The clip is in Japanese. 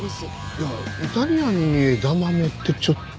いやイタリアンに枝豆ってちょっと。